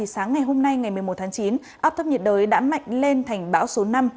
sáng ngày hôm nay ngày một mươi một tháng chín áp thấp nhiệt đới đã mạnh lên thành bão số năm